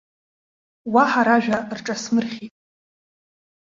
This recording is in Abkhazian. Уаҳа ражәа рҿасмырхьит.